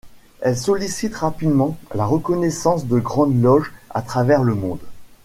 Elle sollicite rapidement la reconnaissance de grandes loges à travers le monde.